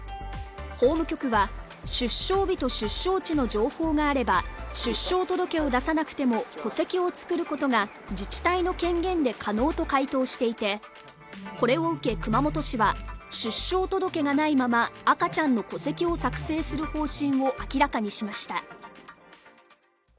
法務局は、出生日と出生地の情報があれば出生届を出さなくても戸籍を作ることが自治体の権限で可能と回答していて、これを受け熊本市は、出生届がないまま赤ちゃんの戸籍を作成する方針を明らかにしました。